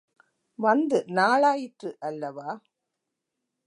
வந்து நாளாயிற்று அல்லவா?